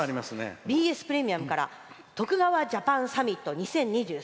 ＢＳプレミアムから「徳川ＪＡＰＡＮサミット２０２３」